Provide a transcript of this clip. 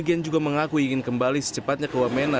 agen juga mengaku ingin kembali secepatnya ke wamena